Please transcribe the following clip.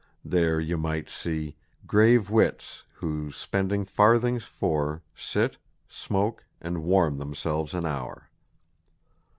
There you might see _Grave wits, who, spending farthings four, Sit, smoke, and warm themselves an hour.